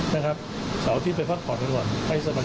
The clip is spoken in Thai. สาวอาทิตย์ไปฟักผ่อนกันก่อนให้สบาย